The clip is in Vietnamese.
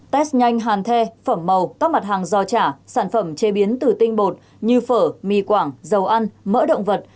tết nhanh hàn the phẩm màu tóc mặt hàng do chả sản phẩm chế biến từ tinh bột như phở mì quảng dầu ăn mỡ động vật